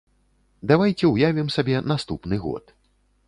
Давайце ўявім сабе наступны год.